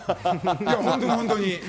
本当に、本当に。